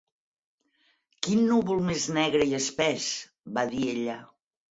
"Quin núvol més negre i espès!" va dir ella.